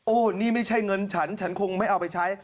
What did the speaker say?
นี่ไม่ใช่เงินฉันฉันคงไม่เอาไปใช้